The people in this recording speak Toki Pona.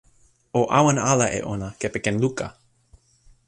o awen ala e ona kepeken luka.